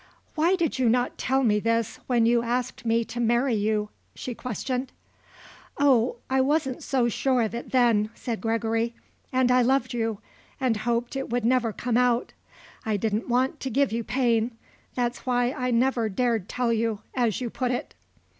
"Why did you not tell me this when you asked me to marry you?" she questioned. "Oh I wasn't so sure of it then," said Gregory. "And I loved you and hoped it would never come out. I didn't want to give you pain. That's why I never dared tell you, as you put it."